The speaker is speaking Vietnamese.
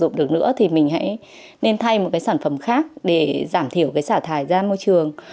không thể sử dụng được nữa thì mình hãy nên thay một cái sản phẩm khác để giảm thiểu cái sả thải ra môi trường